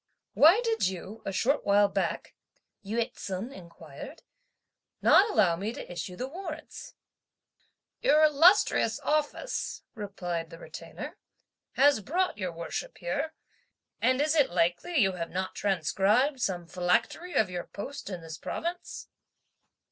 "Why did you, a short while back," Yü ts'un inquired, "not allow me to issue the warrants?" "Your illustrious office," replied the Retainer, "has brought your worship here, and is it likely you have not transcribed some philactery of your post in this province!"